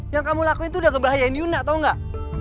yang kamu lakuin itu udah ngebahayain yuna tau gak